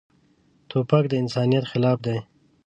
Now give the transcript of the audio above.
توپک د انسانیت خلاف دی.